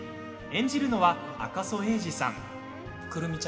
演じるのは赤楚衛二さん。